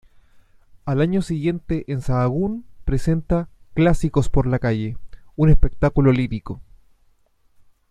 Al año siguiente en Sahagún presenta "Clásicos por la calle", un espectáculo lírico.